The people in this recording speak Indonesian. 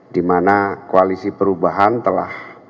dimana koalisi perubahan telah